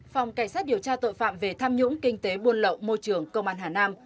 phòng cảnh sát điều tra tội phạm về tham nhũng kinh tế buôn lậu môi trường công an hà nam